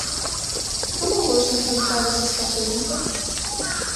Como vos enfrontades a esta pregunta?